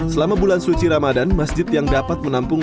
selama bulan suci ramadan masjid yang dapat menampung